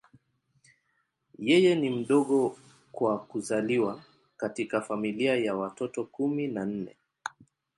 Yeye ni mdogo kwa kuzaliwa katika familia ya watoto kumi na nne.